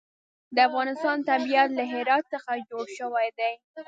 د افغانستان طبیعت له هرات څخه جوړ شوی دی.